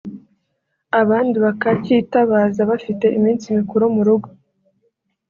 abandi bakakitabaza bafite iminsi mikuru mu rugo